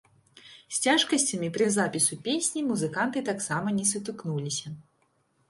З цяжкасцямі пры запісу песні музыканты таксама не сутыкнуліся.